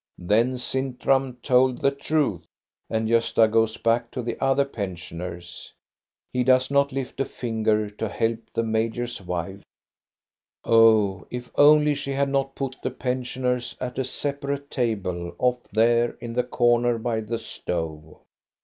Then Sintram told the truth." And Gosta goes back to the other pen sioners. He does not lift a finger to help the major's wife. Oh, if only she had not put the pensioners at a separate table off there in the corner by the stove